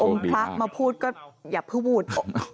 อมพระมาพูดก็อย่าพูด